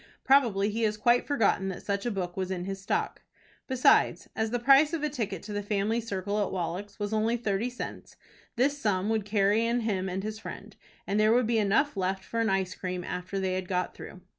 Probably he has quite forgotten that such a book was in his stock." Besides, as the price of a ticket to the family circle at Wallack's was only thirty cents, this sum would carry in him and his friend, and there would be enough left for an ice cream after they had got through.